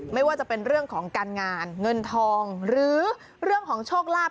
ไม่ว่าจะเป็นเรื่องของการงานเงินทองหรือเรื่องของโชคลาภ